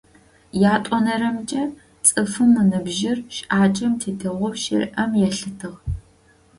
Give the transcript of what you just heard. Ятӏонэрэмкӏэ, цӏыфым ыныбжьыр щыӏакӏэм тетыгъоу щыриӏэм елъытыгъ.